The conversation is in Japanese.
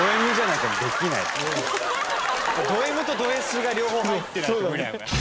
ドＭとドＳが両方入ってないと無理。